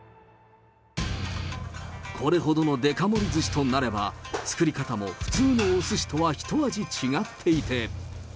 これほどのでか盛りずしとなれば、作り方も普通のおすしとは一味違っていて。